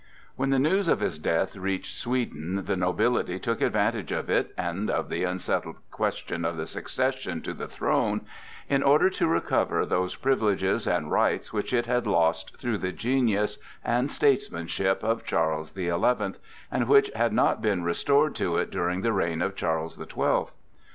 When the news of his death reached Sweden, the nobility took advantage of it and of the unsettled question of the succession to the throne in order to recover those privileges and rights which it had lost through the genius and statesmanship of Charles the Eleventh, and which had not been restored to it during the reign of Charles the Twelfth.